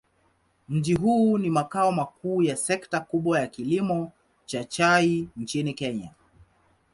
Mji huu ni makao makuu ya sekta kubwa ya kilimo cha chai nchini Kenya.